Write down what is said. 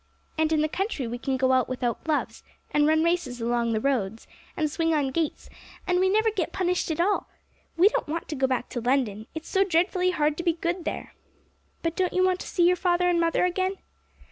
And in the country we can go out without gloves, and run races along the roads, and swing on gates, and we never get punished at all. We don't want to go back to London; it's so dreadfully hard to be good there.' 'But don't you want to see your father and mother again?'